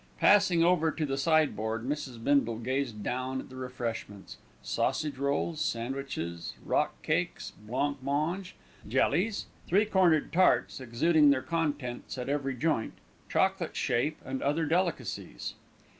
Passing over to the sideboard, Mrs. Bindle gazed down at the refreshments: sausage rolls, sandwiches, rock cakes, blanc mange, jellies, three cornered tarts, exuding their contents at every joint, chocolate shape, and other delicacies.